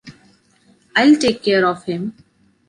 I'll take care of him.